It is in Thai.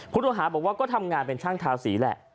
พุทธวัฒน์บอกว่าก็ทำงานเป็นช่างทาสีแหละ